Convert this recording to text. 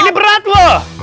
ini berat loh